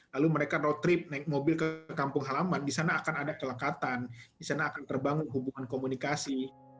lalu mereka road trip naik mobil ke kampung halaman disana akan ada kelekatan disana akan terbangun hubungan komunikasi